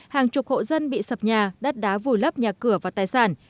hàng chục hộ dân bị sập nhà đất đá vùi lấp nhà cửa và tài sản